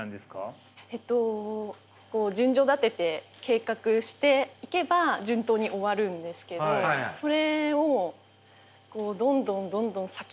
えっと順序立てて計画していけば順当に終わるんですけどそれをどんどんどんどん先延ばしにしちゃって。